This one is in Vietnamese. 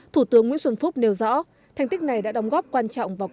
thủ tướng nguyễn xuân phúc nêu rõ thành tích này đã đóng góp quan trọng vào kết quả